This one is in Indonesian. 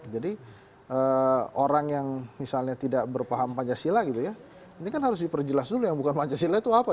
jadi orang yang misalnya tidak berpaham pancasila gitu ya ini kan harus diperjelas dulu yang bukan pancasila itu apa